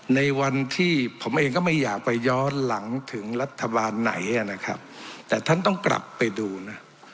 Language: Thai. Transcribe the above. ในวันที่ผมเองก็ไม่อยากไปย้อนหลังถึงรัฐบาลไหนนะครับแต่ท่านต้องกลับไปดูนะ